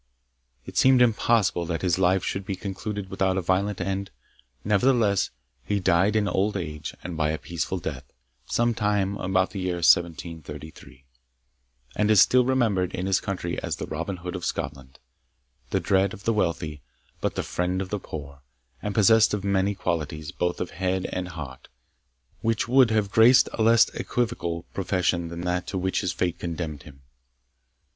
It seemed impossible that his life should have concluded without a violent end. Nevertheless he died in old age and by a peaceful death, some time about the year 1733, and is still remembered in his country as the Robin Hood of Scotland the dread of the wealthy, but the friend of the poor and possessed of many qualities, both of head and heart, which would have graced a less equivocal profession than that to which his fate condemned him.